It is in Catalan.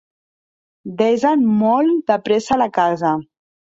Desen molt de pressa la casa.